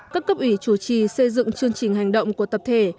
các cấp ủy chủ trì xây dựng chương trình hành động của tập thể